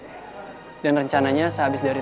udah pokoknya si ayu suka menari